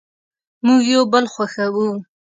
مونږ یو بل خوښوو